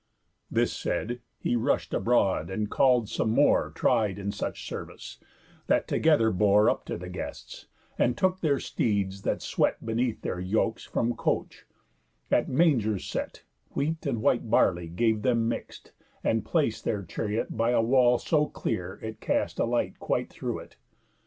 This said, he rush'd abroad, and call'd some more Tried in such service, that together bore Up to the guests, and took their steeds that swet Beneath their yokes from coach; at mangers set, Wheat and white barley gave them mix'd; and plac'd Their chariot by a wall so clear, it cast A light quite through it.